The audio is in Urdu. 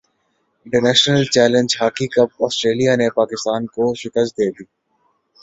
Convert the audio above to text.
international challenge hockey cup Australia نے پاکستان کو سے شکست دے دی